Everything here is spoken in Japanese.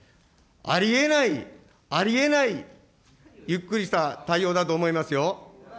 ありえない、ありえない、ゆっくりした対応だと思いますよ。